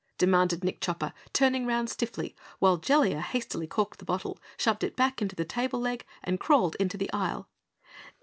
demanded Nick Chopper, turning around stiffly, while Jellia hastily corked the bottle, shoved it back into the tableleg and crawled into the aisle.